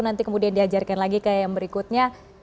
nanti kemudian diajarkan lagi ke yang berikutnya